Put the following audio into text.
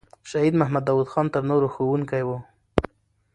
شهید محمد داود خان تر نورو ښوونکی وو.